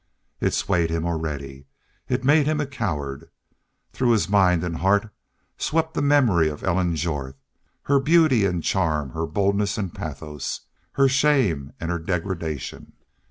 It swayed him already. It made him a coward. Through his mind and heart swept the memory of Ellen Jorth, her beauty and charm, her boldness and pathos, her shame and her degradation.